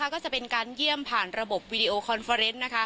ก็จะเป็นการเยี่ยมผ่านระบบวีดีโอคอนเฟอร์เนส